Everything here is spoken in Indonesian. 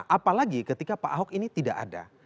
apalagi ketika pak ahok ini tidak ada